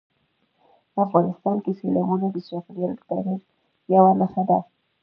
افغانستان کې سیلابونه د چاپېریال د تغیر یوه نښه ده.